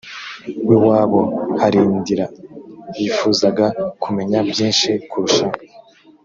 w iwabo harindra yifuzaga kumenya byinshi kurushaho